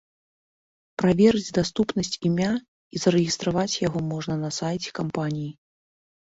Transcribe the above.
Праверыць даступнасць імя і зарэгістраваць яго можна на сайце кампаніі.